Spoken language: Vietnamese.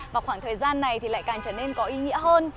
và khoảng thời gian này thì lại càng trở nên có ý nghĩa hơn